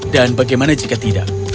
dan bagaimana jika tidak